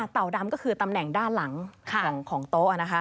เต่าดำก็คือตำแหน่งด้านหลังของโต๊ะ